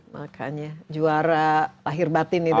makanya juara lahir batin itu